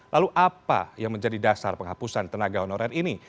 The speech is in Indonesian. lalu apa yang menjadi dasar penghapusan tenaga honorer ini